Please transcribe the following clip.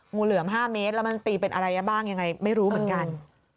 งูเหลือม๕เมตรแล้วมันตีเป็นอะไรบ้างยังไงไม่รู้เหมือนกัน